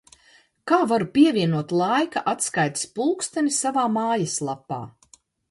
Kā varu pievienot laika atskaites pulksteni savā mājaslapā?